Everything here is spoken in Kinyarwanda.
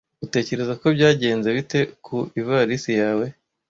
Utekereza ko byagenze bite ku ivarisi yawe?